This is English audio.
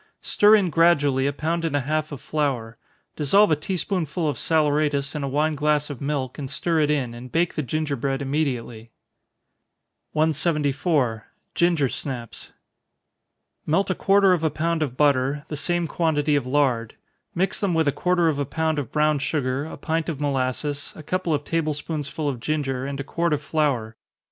Stir in gradually a pound and a half of flour dissolve a tea spoonful of saleratus in a wine glass of milk, and stir it in, and bake the gingerbread immediately. 174. Ginger Snaps. Melt a quarter of a pound of butter, the same quantity of lard mix them with a quarter of a pound of brown sugar, a pint of molasses, a couple of table spoonsful of ginger, and a quart of flour.